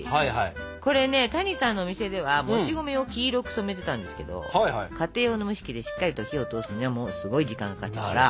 これね谷さんのお店ではもち米を黄色く染めてたんですけど家庭用の蒸し器でしっかりと火を通すにはすごい時間がかかっちゃうから。